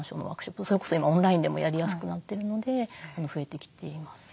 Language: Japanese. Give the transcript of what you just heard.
それこそ今オンラインでもやりやすくなってるので増えてきていますね。